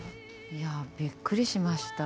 いやぁびっくりしました。